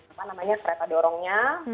apa namanya kereta dorongnya